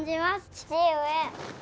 父上。